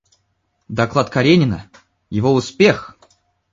Доклад Каренина, его успех.